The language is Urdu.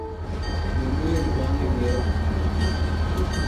جرمنی اور جاپان نے کیا